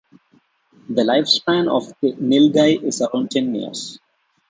The lifespan of the nilgai is around ten years.